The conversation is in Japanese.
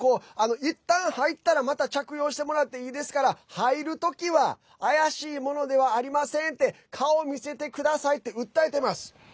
いったん入ったらまた着用してもらっていいですから入る時は怪しいものではありませんって顔を見せてくださいって訴えてます。